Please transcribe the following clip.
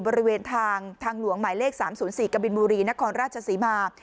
บริเวณทางทางหลวงหมายเลข๓๐๔กบินบุรีนครราชศรีมา